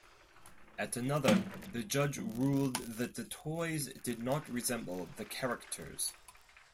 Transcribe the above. At another, the judge ruled that the toys did not resemble the characters.